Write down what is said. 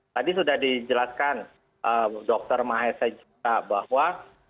tadi sudah dijelaskan dr mahesa juga bahwa